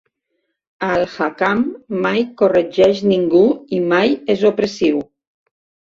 Al-Hakam mai corregeix ningú i mai és opressiu.